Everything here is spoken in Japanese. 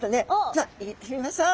じゃあ行ってみましょう。